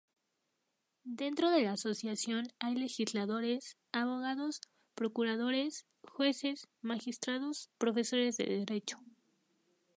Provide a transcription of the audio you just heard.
Dentro de la asociación hay legisladores, abogados, procuradores, jueces, magistrados, profesores de Derecho...